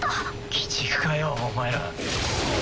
鬼畜かよお前ら。